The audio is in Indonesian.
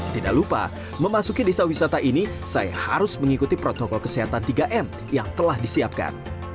tidak lupa memasuki desa wisata ini saya harus mengikuti protokol kesehatan tiga m yang telah disiapkan